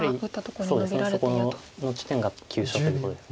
やはりそこの地点が急所ということです。